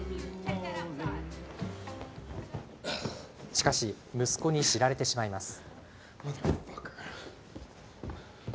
しかし息子に知られてしまいます。